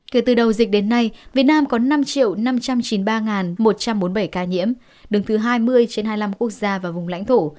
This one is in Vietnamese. kể từ đầu dịch đến nay việt nam có năm năm trăm chín mươi ba một trăm bốn mươi bảy ca nhiễm đứng thứ hai mươi trên hai mươi năm quốc gia và vùng lãnh thổ